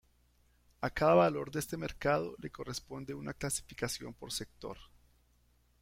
A cada valor de este mercado le corresponde una clasificación por sector.